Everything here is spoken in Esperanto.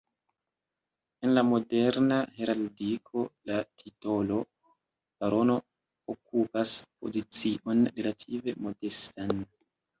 En la moderna heraldiko, la titolo “barono” okupas pozicion relative modestan.